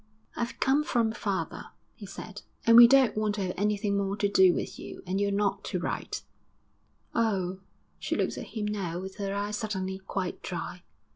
'I've come from father,' he said, 'and we don't want to have anything more to do with you, and you're not to write.' 'Oh!' She looked at him now with her eyes suddenly quite dry.